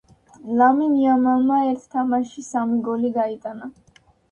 ლამინ იამალმა ერთ თამაშში სამი გოლი გაიტანა